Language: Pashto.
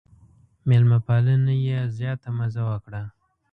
مېلمه پالنې یې زیاته مزه وکړه.